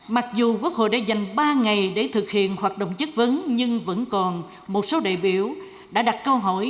mặc dù quốc hội đã dành ba ngày để thực hiện hoạt động chất vấn nhưng vẫn còn một số đại biểu đã đặt câu hỏi